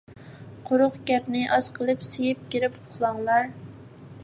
قۇرۇق گەپنى ئاز قىلىپ، سىيىپ كىرىپ ئۇخلاڭلار.